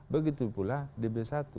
begitu pula di b satu